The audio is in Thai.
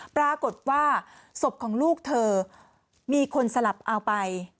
ปรากฏว่าศพของลูกเธอมีคนสลับเอาไป